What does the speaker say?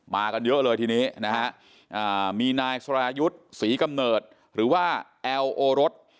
กันเยอะเลยทีนี้นะฮะมีนายสรายุทธ์ศรีกำเนิดหรือว่าแอลโอรส